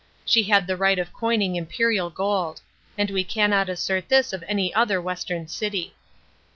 She had the right of coining imperial gold; and we cannot assert this of any other western city.